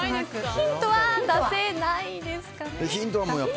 ヒントは出せないですかね。